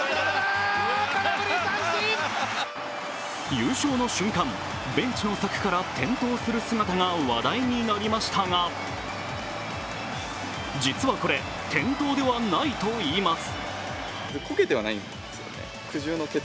優勝の瞬間、ベンチの柵から転倒する姿が話題になりましたが実は、これ転倒ではないといいます